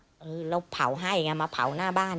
ได้นำเรื่องราวมาแชร์ในโลกโซเชียลจึงเกิดเป็นประเด็นอีกครั้ง